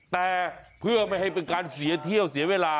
แต่เพื่อไม่ให้เป็นการเสียเที่ยวเสียเวลา